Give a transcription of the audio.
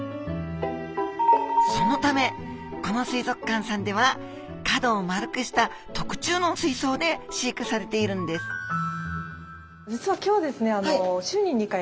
そのためこの水族館さんでは角を丸くした特注の水槽で飼育されているんです実は今日ですね